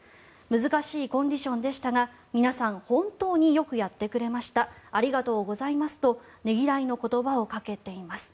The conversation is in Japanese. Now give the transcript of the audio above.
難しいコンディションでしたが皆さん本当によくやってくれましたありがとうございますとねぎらいの言葉をかけています。